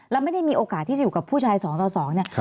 แล้วไม่ได้มีโอกาสที่จะอยู่กับผู้ชาย๒ต่อ๒เนี่ย